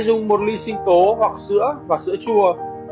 dùng một ly sinh tố hoặc sữa và sữa chua